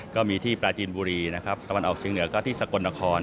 ก็มีที่ปราจีนบุรีนะครับตะวันออกเชียงเหนือก็ที่สกลนคร